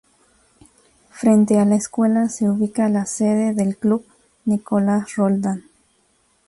Frente a la escuela, se ubica la sede del Club Nicolás Roldán.